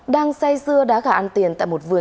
đang say dưa đá gà ăn tiền tại một vườn